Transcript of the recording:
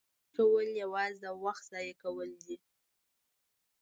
تشویش کول یوازې د وخت ضایع کول دي.